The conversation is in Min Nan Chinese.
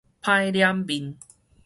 歹臉面